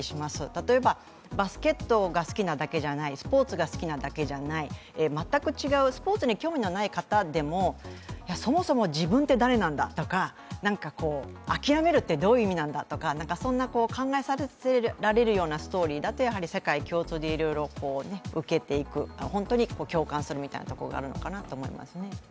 例えばバスケットが好きなだけじゃない、スポーツが好きなだけじゃない、全く違うスポーツに興味のない方でもそもそも自分って誰なんだとか諦めるってどういう意味なんだとか、そんな考えさせられるようなストーリーだと世界共通で受けていく、本当に共感するみたいなところがありますよね。